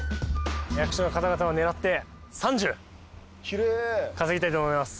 役所の方々を狙って３０稼ぎたいと思います。